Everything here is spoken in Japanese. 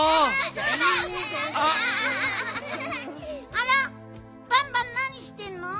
あらバンバンなにしてんの？